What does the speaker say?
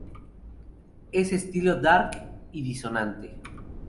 Es estilo Dark y disonante.